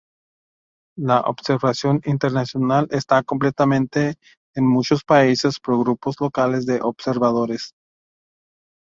La observación internacional está complementada en muchos países por grupos locales de observadores.